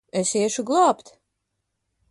Es iešu glābt!